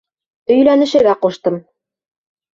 Өйләнешергә ҡуштым.